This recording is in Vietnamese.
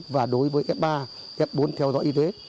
và đối với f ba f bốn theo dõi y tế